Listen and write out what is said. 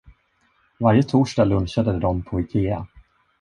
Varje torsdag lunchade de på Ikea.